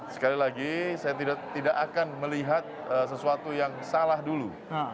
sekali lagi saya tidak akan melihat sesuatu yang salah dulu